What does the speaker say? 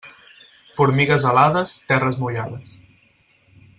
Formigues alades, terres mullades.